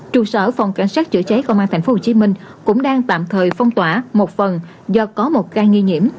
trụ sở phòng cảnh sát chữa cháy công an tp hcm cũng đang tạm thời phong tỏa một phần do có một ca nghi nhiễm